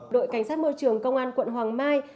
đội cảnh sát môi trường công an quận hoàng mai